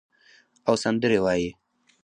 او سندرې وایې